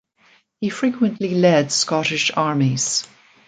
He frequently led Scottish armies.